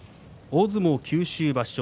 大相撲九州場所